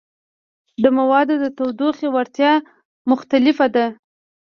د موادو تودوخې وړتیا مختلفه ده.